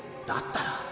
だったら。